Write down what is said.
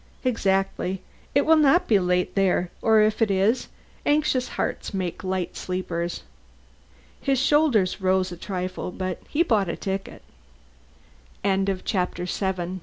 "Exactly. It will not be late there or if it is, anxious hearts make light sleepers." His shoulders rose a trifle, but he bought the ticket. VIII "PHILO! PHILO!